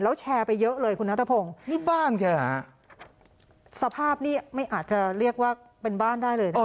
แล้วแชร์ไปเยอะเลยคุณนัทพงศ์นี่บ้านแกฮะสภาพนี้ไม่อาจจะเรียกว่าเป็นบ้านได้เลยนะคะ